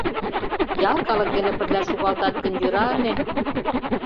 Ял калык дене пырля шогалтат гын, йӧра ыле.